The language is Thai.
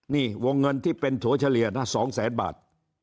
นี่วงเงินที่เป็นถั่วเฉลี่ยนะ๒แสนบาท